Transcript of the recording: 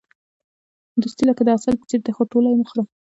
دوستي لکه د عسل په څېر ده، خو ټوله یې مه خوره.